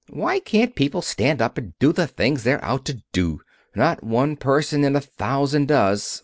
Why can't people stand up and do the things they're out to do! Not one person in a thousand does.